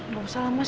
gak usah lah mas